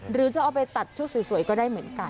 หรือจะเอาไปตัดชุดสวยก็ได้เหมือนกัน